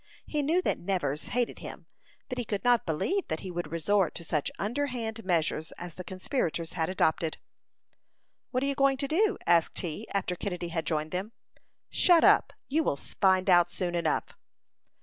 He knew that Nevers hated him, but he could not believe that he would resort to such underhand measures as the conspirators had adopted. "What are you going to do?" asked he, after Kennedy had joined them. "Shut up! You will find out soon enough."